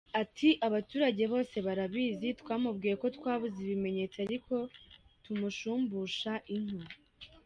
Ati “Abaturage bose barabizi twamubwiye ko twabuze ibimenyetso ariko tumushumbusha inka.